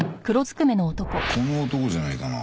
この男じゃねえかな。